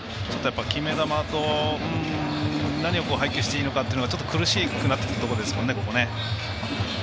決め球と何を配球していいのかが苦しくなってきたところですね。